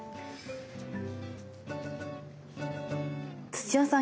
土屋さん